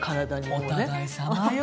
お互いさまよ！